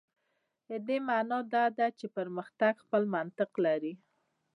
د دې معنا دا ده چې پرمختګ خپل منطق لري.